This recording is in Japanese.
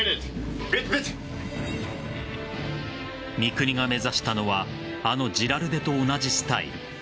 三國が目指したのはあのジラルデと同じスタイル。